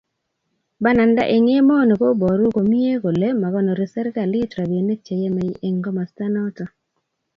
Bananda eng emoni koboru komye kole makonori serkalit robinik che yemei eng komasta nito